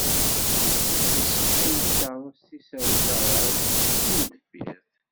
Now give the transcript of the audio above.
Isekcem takeṛṛust-is ar ugaṛaj d timendeffirt.